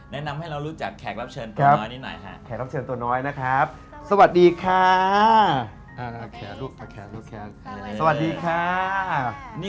แนะนำให้เรารู้จักแขกรับเชิญตัวน้อยนิดหน่อย